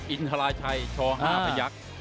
อินทรายชัยช่อห้าพะยักษ์